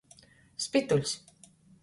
Spytuļs.